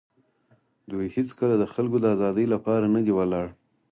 دوی هېڅکله د خلکو د آزادۍ لپاره نه دي ولاړ.